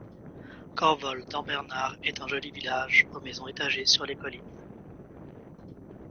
Corvol-d’Embernard est un joli village aux maisons étagées sur les collines.